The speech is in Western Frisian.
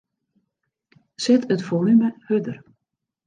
Set it folume hurder.